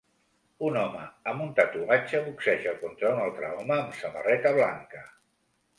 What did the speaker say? Un home amb un tatuatge boxeja contra un altre home amb samarreta blanca